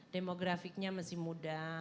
demograficnya masih muda